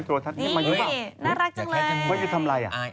โทรธัศน์นี่น่ารักจังเลย